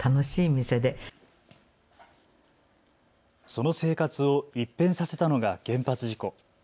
その生活を一変させたのが原発事故。